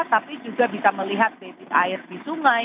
tapi juga bisa melihat debit air di sungai